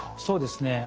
そうですね。